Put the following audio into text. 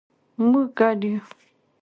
مونږ ګډ یو